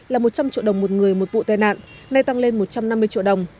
là một trăm linh triệu đồng một người một vụ tai nạn nay tăng lên một trăm năm mươi triệu đồng